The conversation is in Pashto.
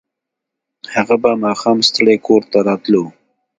هغه به ماښام ستړی کور ته راتلو